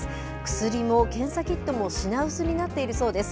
薬も検査キットも品薄になっているそうです。